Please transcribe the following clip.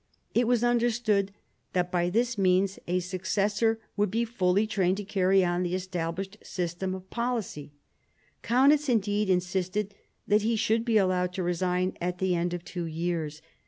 It was understood that by this means a successor would be fully trained to carry on the established system of policy. Kaunitz indeed insisted that he should be allowed to resign at the end of two years.